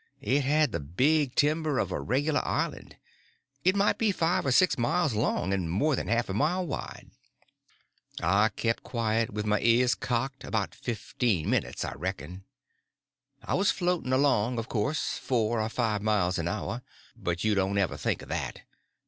It had the big timber of a regular island; it might be five or six miles long and more than half a mile wide. I kept quiet, with my ears cocked, about fifteen minutes, I reckon. I was floating along, of course, four or five miles an hour; but you don't ever think of that.